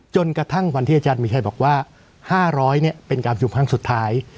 จนกระทั่งวันที่อาจารย์มีชัยบอกว่า๕๐๐เป็นการประชุมครั้งสุดท้าย